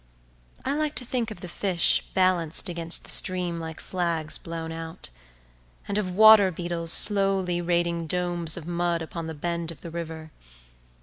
I like to think of the fish balanced against the stream like flags blown out; and of water beetles slowly raiding domes of mud upon the bed of the river.